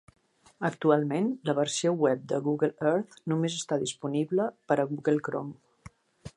Actualment, la versió web de Google Earth només està disponible per a Google Chrome.